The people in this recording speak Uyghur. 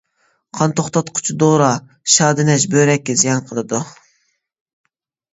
قان توختاتقۇچى دورا شادىنەج بۆرەككە زىيان قىلىدۇ.